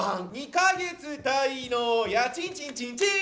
２か月滞納、家賃ちんちん！